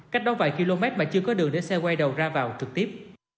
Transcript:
cách đó vài km mà chưa có đường để xe quay đầu ra vào trực tiếp